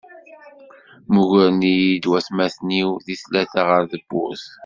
Mmugren-iyi-d watmaten-iw di tlata ɣer tewwurt.